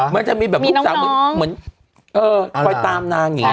มันจะมีลูกสาวปล่อยตามนางเนี่ย